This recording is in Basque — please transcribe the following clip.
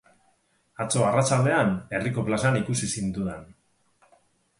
Atzo arratsaldean herriko plazan ikusi zintudan.